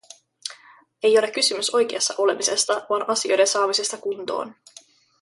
Ei ole kysymys oikeassa olemisesta vaan asioiden saamisesta kuntoon.